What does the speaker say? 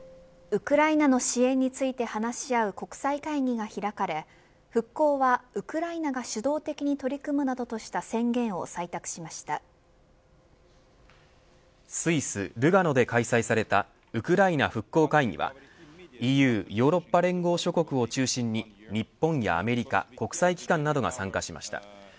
ウクライナの支援について話し合う国際会議が開かれ復興はウクライナが主導的に取り組むなどとしたスイス、ルガノで開催されたウクライナ復興会議はＥＵ、ヨーロッパ連合諸国を中心に日本やアメリカ国際機関などが参加しました。